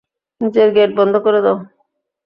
নিচের গেট বন্ধ করে দাও।